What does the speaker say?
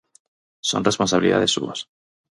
Son responsabilidades súas.